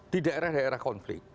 di daerah daerah konflik